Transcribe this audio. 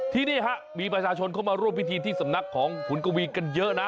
ที่นี่ฮะมีประชาชนเข้ามาร่วมพิธีที่สำนักของขุนกวีกันเยอะนะ